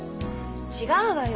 違うわよ。